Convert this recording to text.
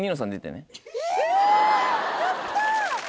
やった！